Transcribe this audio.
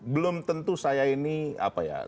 belum tentu saya ini apa ya